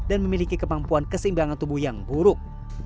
dan memiliki kemampuan keseimbangan tubuh yang buruk